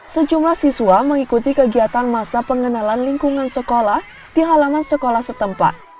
sejumlah siswa mengikuti kegiatan masa pengenalan lingkungan sekolah di halaman sekolah setempat